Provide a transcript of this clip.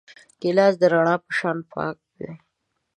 ګیلاس د رڼا په شان پاک وي.